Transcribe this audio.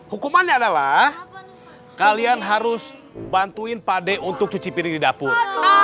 hukumannya adalah kalian harus bantuin pak de untuk cuci piring di dapur